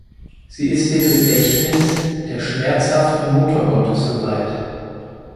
Sie ist dem Gedächtnis der Schmerzhaften Muttergottes geweiht.